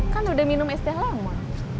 kan udah minum es teh lama